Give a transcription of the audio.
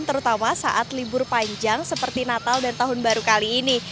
terutama saat libur panjang seperti natal dan tahun baru kali ini